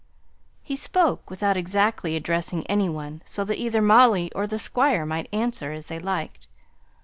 He spoke without exactly addressing any one, so that either Molly or the Squire might answer as they liked.